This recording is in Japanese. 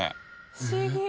不思議。